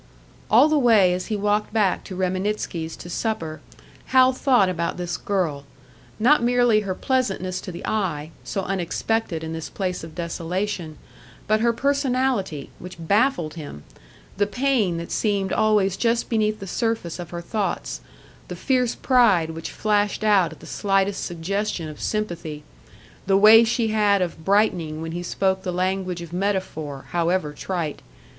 All the way as he walked back to Reminitsky's to supper, Hal thought about this girl; not merely her pleasantness to the eye, so unexpected in this place of desolation, but her personality, which baffled him the pain that seemed always just beneath the surface of her thoughts, the fierce pride which flashed out at the slightest suggestion of sympathy, the way she had of brightening when he spoke the language of metaphor, however trite.